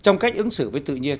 trong cách ứng xử với tự nhiên